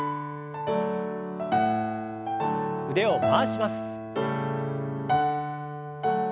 腕を回します。